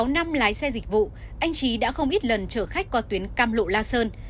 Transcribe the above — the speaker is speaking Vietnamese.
sáu năm lái xe dịch vụ anh trí đã không ít lần chở khách qua tuyến cam lộ la sơn